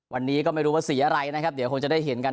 วันนี้ก็ไม่รู้ว่าสีอะไรนะครับเดี๋ยวคงจะได้เห็นกัน